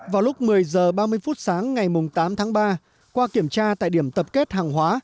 vào lúc một mươi h ba mươi phút sáng ngày tám tháng ba qua kiểm tra tại điểm tập kết hàng hóa